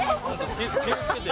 気を付けて。